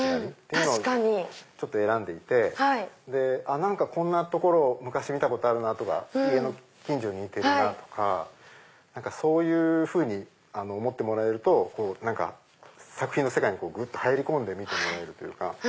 「何かこんな所を昔見たことあるな」とか「家の近所に似てるな」とかそういうふうに思ってもらえると作品の世界にぐっと入り込んで見てもらえるというか。